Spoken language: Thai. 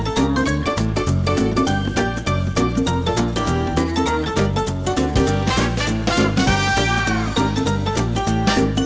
กำลังมากกกกกกกก